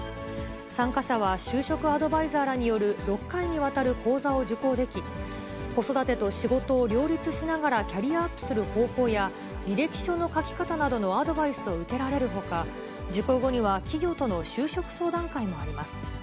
参加者は就職アドバイザーらによる６回にわたる講座を受講でき、子育てと仕事を両立しながらキャリアアップする方法や、履歴書の書き方などのアドバイスを受けられるほか、受講後には、企業との就職相談会もあります。